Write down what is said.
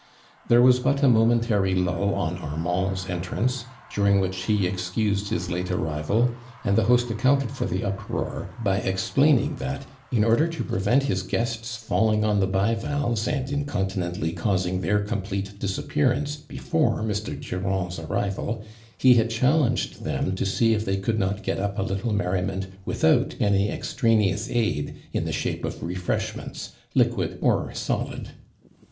There was but a momentary lull on Armand's entrance, during which he excused his late arrival, and the host accoimted for the uproar, by explaining that " in order to prevent his guests falling on tha bivalves, and incontinently causing their complete disappearance, before Mr. Durand' s arrival, he had challenged them to see if they could not get up a little merri ment without any extraneous aid in the shape of refreshments, liquid or solid."